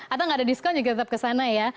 atau tidak ada diskon tetap ke sana ya